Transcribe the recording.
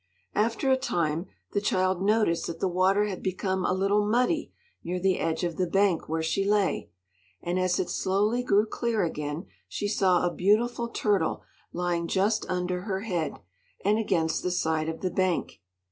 After a time the child noticed that the water had become a little muddy near the edge of the bank where she lay, and as it slowly grew clear again she saw a beautiful turtle lying just under her head and against the side of the bank.